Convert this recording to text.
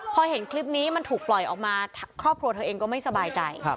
พอเห็นคลิปนี้มันถูกปล่อยออกมาครอบครัวเธอเองก็ไม่สบายใจ